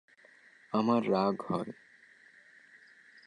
আমার রাগ হয়।